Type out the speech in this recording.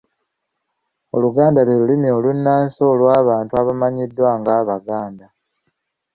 Oluganda lwe lulimi olunnansi olw’abantu abamanyiddwa nga Abaganda.